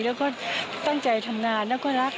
แล้วก็ตั้งใจทำงานแล้วก็รัก